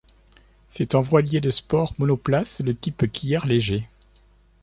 C'est un voilier de sport monoplace de type quillard léger.